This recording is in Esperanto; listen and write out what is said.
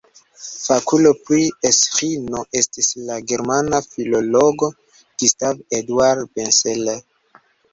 Fakulo pri Esĥino estis la germana filologo Gustav Eduard Benseler.